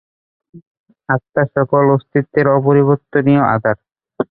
আত্মা সকল অস্তিত্বের অপরিবর্তনীয় আধার।